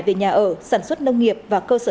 về nhà ở sản xuất nông nghiệp và cơ sở